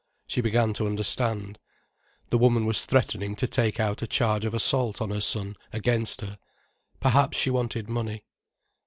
She began to understand. The woman was threatening to take out a charge of assault on her son against her. Perhaps she wanted money.